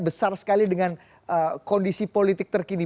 besar sekali dengan kondisi politik terkini